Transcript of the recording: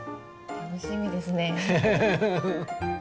楽しみですね。